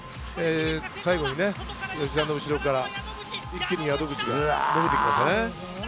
最後に吉田の後ろから一気に宿口が伸びてきましたね。